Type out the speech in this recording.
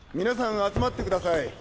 皆さん集まってください。